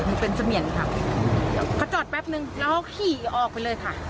มันเป็นเสมียนค่ะเขาจอดแป๊บนึงแล้วเขาขี่ออกไปเลยค่ะ